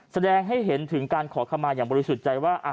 แสดงให้เห็นถึงการขอขมาอย่างบริสุทธิ์ใจว่า